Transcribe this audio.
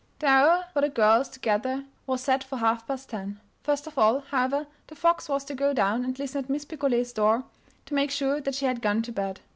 The hour for the girls to gather was set for half past ten. First of all, however, The Fox was to go down and listen at Miss Picolet's door to make sure that she had gone to bed.